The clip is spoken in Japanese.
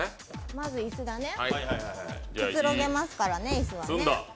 まず椅子だね、くつろげますからね、椅子わね。